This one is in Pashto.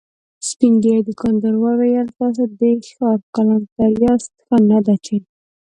سپين ږيری دوکاندار وويل: تاسو د ښار کلانتر ياست، ښه نه ده چې…